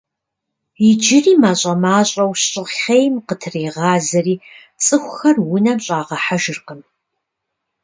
Иджыри мащӏэ-мащӏэу щӏыхъейм къытрегъазэри, цӀыхухэр унэм щӀагъэхьэжыркъым.